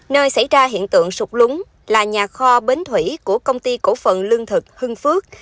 nơi xảy ra hiện tượng sụt lún là nhà kho bến thủy của công ty cổ phận lương thực hưng phước